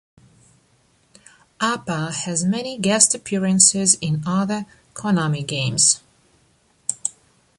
Upa has many guest appearances in other Konami games.